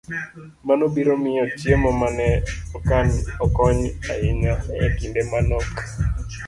Mano biro miyo chiemo ma ne okan okony ahinya e kinde ma nok